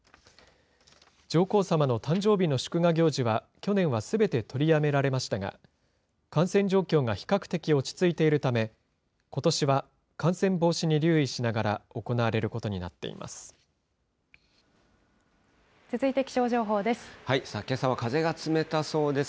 上皇さまの誕生日の祝賀行事は、去年はすべて取りやめられましたが、感染状況が比較的落ち着いているため、ことしは感染防止に留意しながら、行われることになっ続いて、気象情報です。